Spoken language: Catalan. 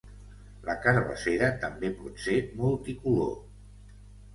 La carbassera també pot ser multicolor.